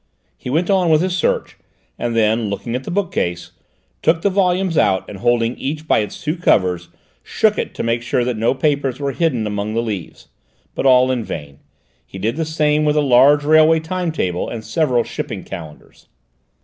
He went on with his search, and then, looking at the bookcase, took the volumes out and, holding each by its two covers, shook it to make sure that no papers were hidden among the leaves. But all in vain. He did the same with a large railway time table and several shipping calendars.